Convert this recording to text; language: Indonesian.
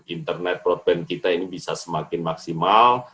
internet broadband kita ini bisa semakin maksimal